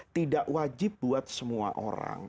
tidak wajib buat semua orang